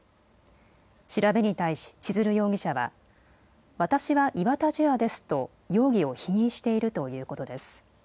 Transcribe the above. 調べに対し千鶴容疑者は私は岩田樹亞ですと容疑を否認しているということです。